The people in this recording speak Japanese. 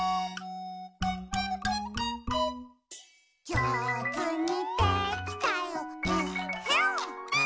「じょうずにできたよえっへん」